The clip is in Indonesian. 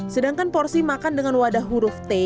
sedangkan porsi makan dengan wadah huruf t